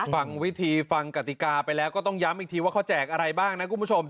ฟังวิธีฟังกติกาไปแล้วก็ต้องย้ำอีกทีว่าเขาแจกอะไรบ้างนะคุณผู้ชม